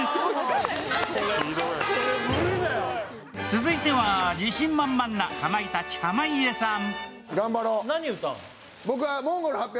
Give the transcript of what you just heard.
続いては、自信満々なかまいたち・濱家さん。